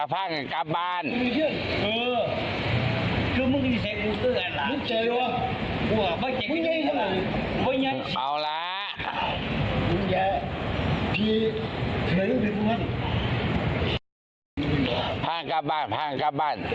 พังกลับบ้านพังกลับบ้าน